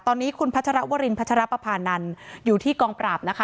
ตอนนี้คุณพัชรวรินพัชรปภานันอยู่ที่กองปราบนะคะ